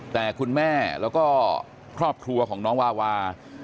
แต่คุณแม่แล้วก็ครอบครัวของน้องวาวา